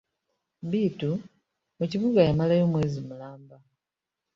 Bittu mu kibuga yamalayo omwezi mulamba.